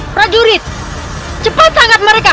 prajurit cepat tangkap mereka